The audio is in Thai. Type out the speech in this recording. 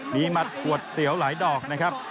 มีหมัดขวดเสียวหลายดอกนะครับ